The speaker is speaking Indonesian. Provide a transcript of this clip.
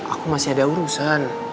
aku masih ada urusan